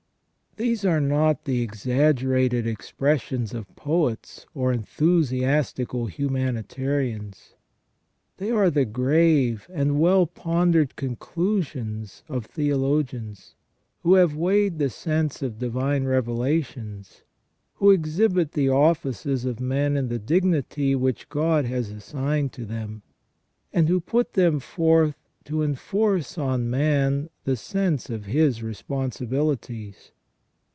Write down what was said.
* These are not the exaggerated expressions of poets or enthusiastical humanitarians ; they are the grave and well pondered conclusions of theologians, who have weighed the sense of divine revelations, who exhibit the offices of men in the dignity which God has assigned to them, and who put them forth to enforce on man the sense of his responsibilities.